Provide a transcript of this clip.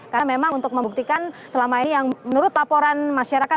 karena memang untuk membuktikan selama ini yang menurut laporan masyarakat